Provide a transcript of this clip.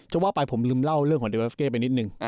ว่าไปผมลืมเล่าเรื่องของเดเวฟเก้ไปนิดนึง